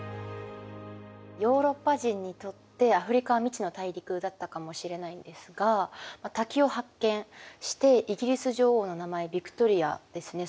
ヨーロッパ人にとってアフリカは未知の大陸だったかもしれないんですが滝を発見してイギリス女王の名前ヴィクトリアですね